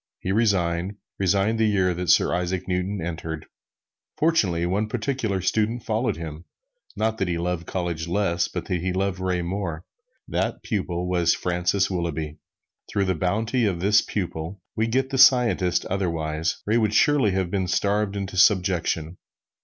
He resigned resigned the year that Sir Isaac Newton entered. Fortunately, one particular pupil followed him, not that he loved college less, but that he loved Ray more. This pupil was Francis Willughby. Through the bounty of this pupil we get the scientist otherwise, Ray would surely have been starved into subjection.